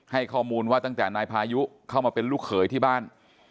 ให้ข้อมูลว่าตั้งแต่นายพายุเข้ามาเป็นลูกเขยที่บ้าน